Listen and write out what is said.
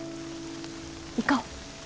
行こう。